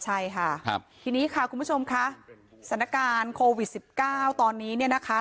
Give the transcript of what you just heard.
ใช่ค่ะทีนี้ค่ะคุณผู้ชมค่ะสถานการณ์โควิด๑๙ตอนนี้เนี่ยนะคะ